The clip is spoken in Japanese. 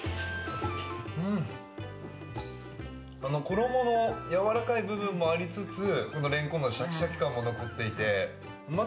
衣のやわらかい部分もありつつレンコンのシャキシャキ感も残っていてまた